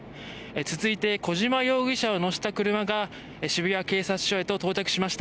続いて小島容疑者を乗せた車が渋谷警察署へと到着しました。